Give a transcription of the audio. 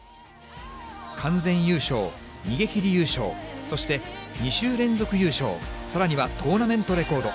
完全優勝、逃げ切り優勝、そして２週連続優勝、さらにはトーナメントレコード。